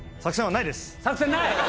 作戦ない？